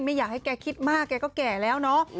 ไม่อยากให้แกคิดมากแกก็แก่แล้วเนาะ